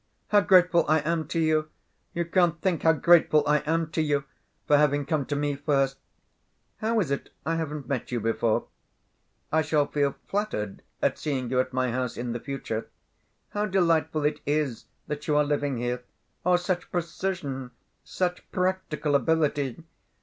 "How grateful I am to you! You can't think how grateful I am to you for having come to me, first. How is it I haven't met you before? I shall feel flattered at seeing you at my house in the future. How delightful it is that you are living here!... Such precision! Such practical ability!...